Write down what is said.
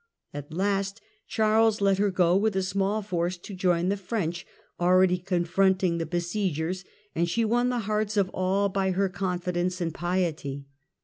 siege of At last Charles let her go with a small force to join the ^^'^'^"■^^^ French already confronting the besiegers, and she won the hearts of all by her confidence and j)iety.